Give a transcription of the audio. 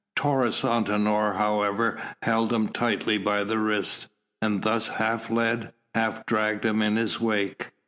Taurus Antinor, however, held him tightly by the wrist and thus he half led, half dragged him in his wake.